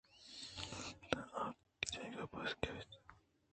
پدا آکہ پاد اتک